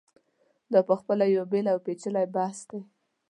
دا په خپله یو بېل او پېچلی بحث دی.